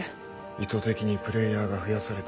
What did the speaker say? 意図的にプレイヤーが増やされてる。